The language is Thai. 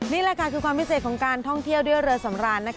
นี่แหละค่ะคือความพิเศษของการท่องเที่ยวด้วยเรือสำราญ